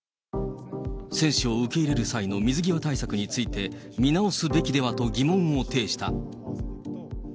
選手を受け入れる際の水際対策について、見直すべきではと疑問を呈した。